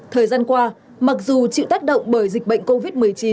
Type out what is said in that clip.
thời gian qua mặc dù chịu tác động bởi dịch bệnh covid một mươi chín